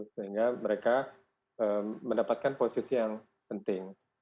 sehingga mereka mendapatkan posisi yang penting